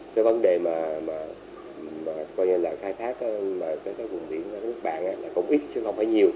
cái vấn đề mà khai thác vùng biển ở nước bạn là không ít chứ không phải nhiều